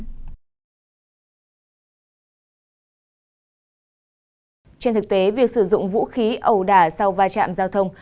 trên thực tế việc sử dụng vũ khí ẩu đả sau va chạm giao thông